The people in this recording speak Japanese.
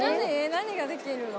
何ができるの？